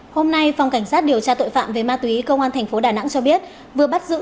hôm nay phòng cảnh sát điều tra tội phạm về ma túy công an thành phố đà nẵng cho biết vừa bắt giữ